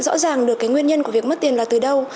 rõ ràng được cái nguyên nhân của việc mất tiền là từ đâu